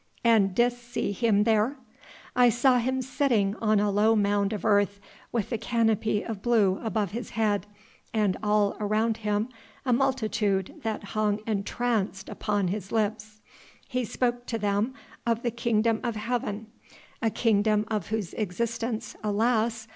"And didst see Him there?" "I saw Him sitting on a low mound of earth with the canopy of blue above His head, and all around Him a multitude that hung entranced upon His lips. He spoke to them of the Kingdom of Heaven a Kingdom of whose existence, alas!